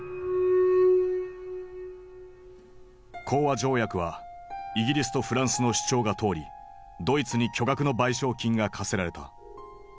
講和条約はイギリスとフランスの主張が通りドイツに巨額の賠償金が科せられた。